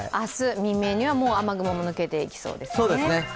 未明には雨雲も抜けていきそうですね。